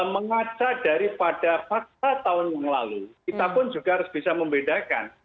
mengaca daripada fakta tahun yang lalu kita pun juga harus bisa membedakan